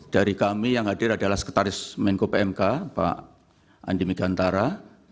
dari kami yang hadir adalah sekretaris menko pmk pak andi megantara